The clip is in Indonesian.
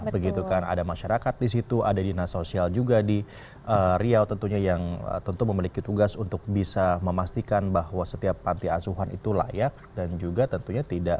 begitu kan ada masyarakat di situ ada dinas sosial juga di riau tentunya yang tentu memiliki tugas untuk bisa memastikan bahwa setiap panti asuhan itu layak dan juga tentunya tidak